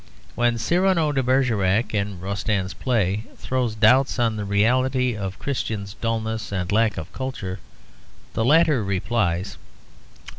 When Cyrano de Bergerac, in Rostand's play, throws doubts on the reality of Christian's dulness and lack of culture, the latter replies: 'Bah!